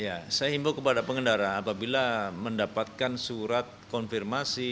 ya saya himbau kepada pengendara apabila mendapatkan surat konfirmasi